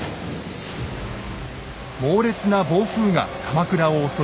猛烈な暴風が鎌倉を襲います。